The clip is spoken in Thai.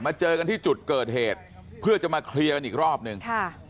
เจอกันที่จุดเกิดเหตุเพื่อจะมาเคลียร์กันอีกรอบหนึ่ง